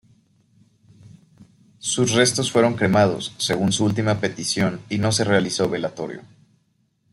Sus restos fueron cremados, según su última petición y no se realizó velatorio.